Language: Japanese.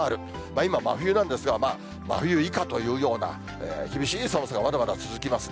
今真冬なんですが、真冬以下というような、厳しい寒さがまだまだ続きますね。